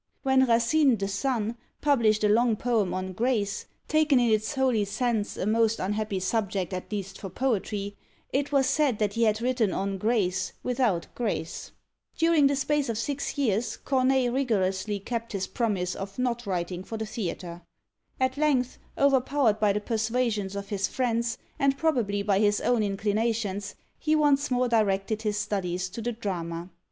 When Racine, the son, published a long poem on "Grace," taken in its holy sense, a most unhappy subject at least for poetry; it was said that he had written on Grace without grace. During the space of six years Corneille rigorously kept his promise of not writing for the theatre. At length, overpowered by the persuasions of his friends, and probably by his own inclinations, he once more directed his studies to the drama.